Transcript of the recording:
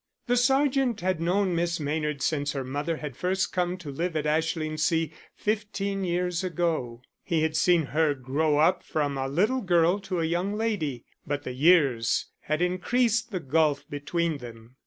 The sergeant had known Miss Maynard since her mother had first come to live at Ashlingsea fifteen years ago. He had seen her grow up from a little girl to a young lady, but the years had increased the gulf between them.